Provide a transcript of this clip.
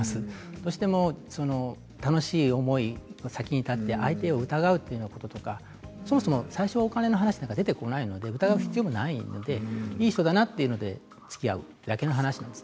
どうしても楽しい思いが先に立って相手を疑うこととかそもそも最初はお金の話なんか出てこないので疑う必要もないのでいい人だなと言ってつきあうだけの話です。